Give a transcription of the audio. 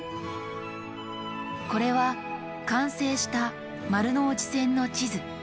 これは完成した丸ノ内線の地図。